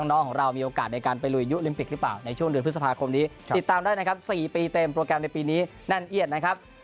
น้องของเรามีโอกาสในการไปลุยยุลิมปิกหรือเปล่าในช่วงเดือนพฤษภาคมนี้ติดตามได้นะครับ๔ปีเต็มโปรแกรมในปีนี้แน่นเอียดนะครับ